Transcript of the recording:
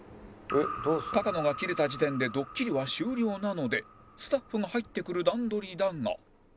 高野がキレた時点でドッキリは終了なのでスタッフが入ってくる段取りだが